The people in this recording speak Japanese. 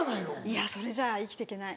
いやそれじゃ生きていけない。